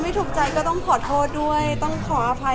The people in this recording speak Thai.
พอเสร็จจากเล็กคาเป็ดก็จะมีเยอะแยะมากมาย